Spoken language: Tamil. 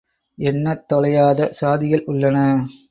எண்ணத் தொலையாத சாதிகள் உள்ளன.